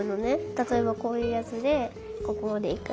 たとえばこういうやつでここまでいく。